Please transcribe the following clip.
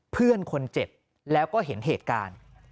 เพื่อนคนเจ็บแล้วก็เห็นเหตุการณ์